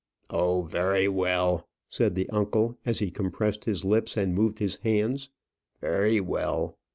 "Oh, very well," said the uncle, as he compressed his lips, and moved his hands. "Very well."